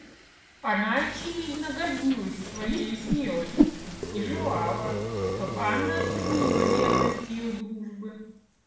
Она, очевидно, гордилась своею смелостью и желала, чтоб Анна оценила верность ее дружбы.